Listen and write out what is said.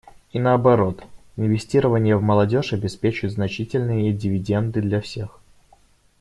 И наоборот, инвестирование в молодежь обеспечит значительные дивиденды для всех.